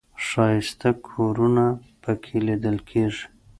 ښایسته کورونه په کې لیدل کېږي.